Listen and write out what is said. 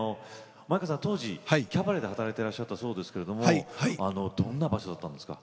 前川さん、当時、キャバレーで働いてらっしゃったそうですけどどんな場所だったんですか？